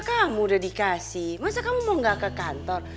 kamu udah dikasih masa kamu mau gak ke kantor